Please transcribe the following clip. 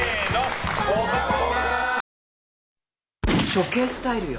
処刑スタイルよ。